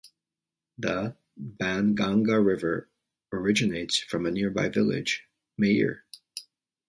The Banganga River originates from a nearby village, Mair.